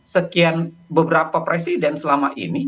sekian beberapa presiden selama ini